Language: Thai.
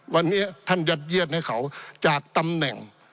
วันนี้ท่านยัดเยียดให้เขาจากตำแหน่ง